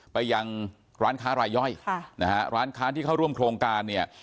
ไปยังร้านค้ารายย่อยค่ะนะฮะร้านค้าที่เข้าร่วมโครงการเนี่ย